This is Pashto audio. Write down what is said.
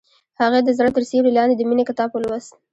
هغې د زړه تر سیوري لاندې د مینې کتاب ولوست.